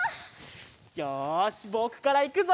よしぼくからいくぞ！